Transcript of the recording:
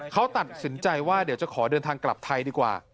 เขาตัดสินใจว่าเดี๋ยวจะขอเดินทางกลับไทยดีกว่า